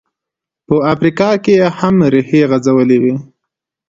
په افریقا کې یې هم ریښې غځولې وې.